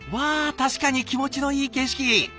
確かに気持ちのいい景色。